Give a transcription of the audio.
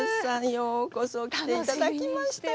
ようこそ来て頂きました。